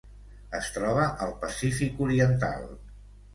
Es troba al Pacífic oriental: